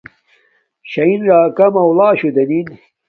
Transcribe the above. شین راکا مولاشوہ دینن